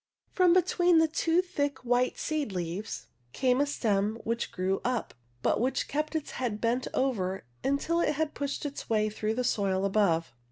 From between the two thick, white, seed leaves came a stem which grew up, but which kept its head bent over until it had pushed its way through the soil above.